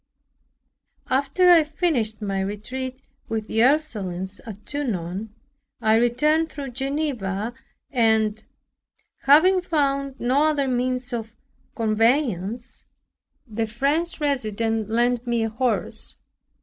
After I finished my retreat with the Ursulines at Tonon, I returned through Geneva and, having found no other means of conveyance, the French resident lent me a horse.